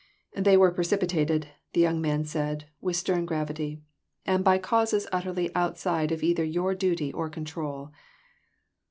" They were precipitated," the young man said, with stern gravity, "and by causes utterly out side of either your duty or control.